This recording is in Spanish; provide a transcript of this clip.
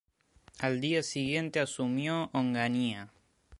Al día siguiente asumió Onganía.